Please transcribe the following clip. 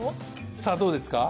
さあどうですか？